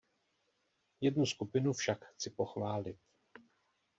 Jednu skupinu však chci pochválit.